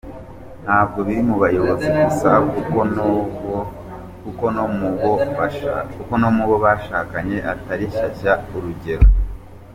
Ntabwo biri mu bayobozi gusa kuko no mu bo bashakanye atari shyashya urugero: